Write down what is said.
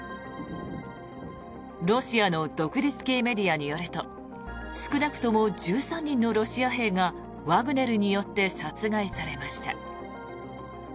ロシアの独立系メディアによると少なくとも１３人のロシア兵がワグネルによって殺害されました。